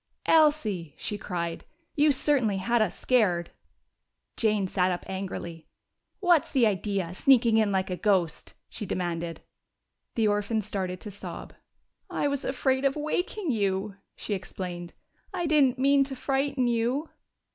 "Elsie!" she cried. "You certainly had us scared!" Jane sat up angrily. "What's the idea, sneaking in like a ghost?" she demanded. The orphan started to sob. "I was afraid of waking you," she explained. "I didn't mean to frighten you."